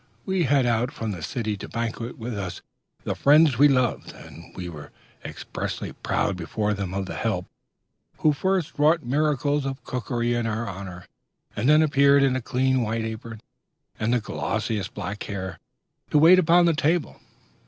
We had out from the city to banquet with us the friends we loved, and we were inexpressibly proud before them of the Help, who first wrought miracles of cookery in our honor, and then appeared in a clean white apron, and the glossiest black hair, to wait upon the table.